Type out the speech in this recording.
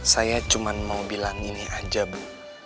saya cuma mau bilang ini aja bu